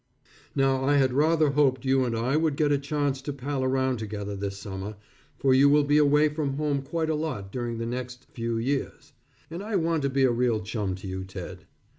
Now I had rather hoped you and I would get a chance to pal around together this summer, for you will be away from home quite a lot during the next few years, and I want to be a real chum to you, Ted.